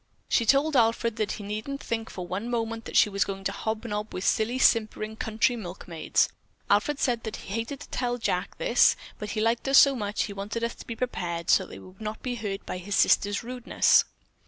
She told Alfred that he needn't think for one moment that she was going to hobnob with silly, simpering country milkmaids! Alfred said that he hated to tell Jack all this, but he liked us so much he wanted us to be prepared, so that we would not be hurt by his sister's rudeness."